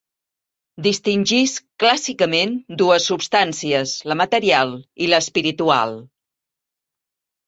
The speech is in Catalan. Distingisc, clàssicament, dues substàncies, la material i l'espiritual.